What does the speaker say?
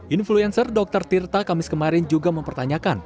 influencer dr tirta kamis kemarin juga mempertanyakan